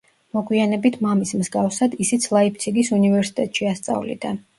მოგვიანებით მამის მსგავსად, ისიც ლაიფციგის უნივერსიტეტში ასწავლიდა.